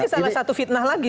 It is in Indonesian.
ini salah satu fitnah lagi